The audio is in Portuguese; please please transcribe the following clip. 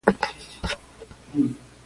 Stakeholder é uma parte interessada.